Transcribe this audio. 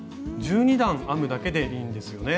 １２段編むだけでいいんですよね。